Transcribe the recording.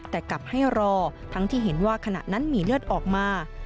แต่กลับให้รอทั้งที่เห็นว่าขณะนั้นมีเลือดออกมา